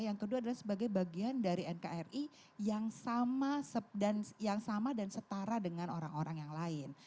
yang kedua adalah sebagai bagian dari nkri yang sama dan setara dengan orang orang yang lain